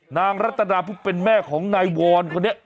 นางรัฐดาพุทธเป็นแม่ของนายวอนคนนี้